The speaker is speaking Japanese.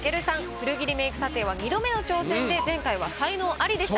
古着リメイク査定は２度目の挑戦で前回は才能アリでした。